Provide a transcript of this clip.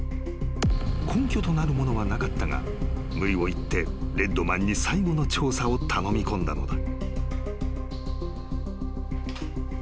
［根拠となるものはなかったが無理を言ってレッドマンに最後の調査を頼み込んだのだ］